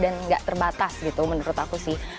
dan nggak terbatas gitu menurut aku sih